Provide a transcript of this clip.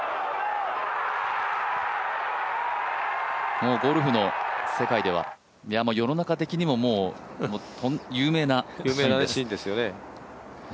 もうゴルフの世界では、世の中的にも、もう有名なシーンです。